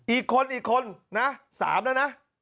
อีกคนอีกคนนะ๓แล้วนะ